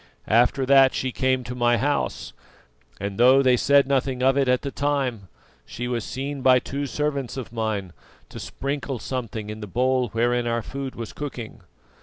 After that she came to my house, and though they said nothing of it at the time, she was seen by two servants of mine to sprinkle something in the bowl wherein our food was cooking.